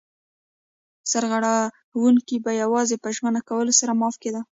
سرغړونکی به یوازې په ژمنه کولو سره معاف کېده.